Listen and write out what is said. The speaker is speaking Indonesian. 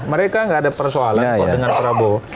mereka nggak ada persoalan kok dengan prabowo